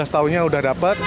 lima belas tahunnya sudah dapat